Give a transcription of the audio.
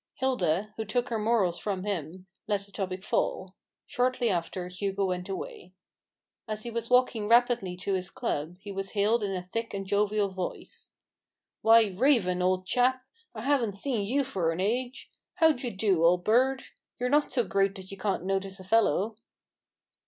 Hilda, svho took her morals from him, let the topic fall. Shortly after Hugo went away. As he was walking rapidly to his club, he was hailed in a thick and jovial voice. HUGO RAVENS HAND. 159 " Why, Raven t old chap, I haven't seen you for an age ! How d'ye do, old bird ? You're not so great that you can't notice a fellow."